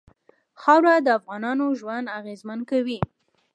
خاوره د افغانانو ژوند اغېزمن کوي.